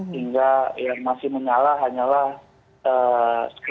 hingga yang masih menyala hanyalah